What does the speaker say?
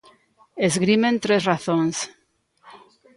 Esgrimen tres razóns.